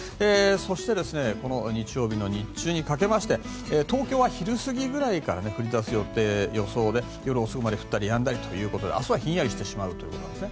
そしてこの日曜日の日中にかけてまして東京は昼過ぎぐらいから降り出す予想で夜遅くまで降ったりやんだりということで明日はひんやりしてしまうということです。